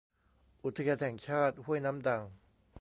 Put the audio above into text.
อุทยานแห่งชาติห้วยน้ำดัง